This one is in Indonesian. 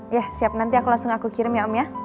ya siap nanti aku langsung aku kirim ya om ya